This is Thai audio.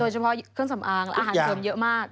โดยเฉพาะเครื่องสำอางอาหารเคลื่องเยอะมาก